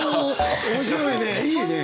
面白いね！